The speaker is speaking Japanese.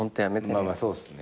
まあまあそうっすね。